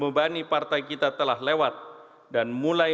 kami berharap bahwa kekuatan politik ini akan menjadi kekuatan yang matang